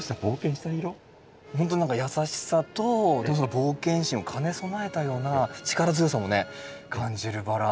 ほんとに何か優しさとその冒険心を兼ね備えたような力強さもね感じるバラ。